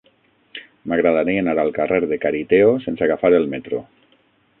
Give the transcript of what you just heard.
M'agradaria anar al carrer de Cariteo sense agafar el metro.